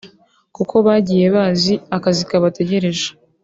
kuko bagiye bazi akazi kabategereje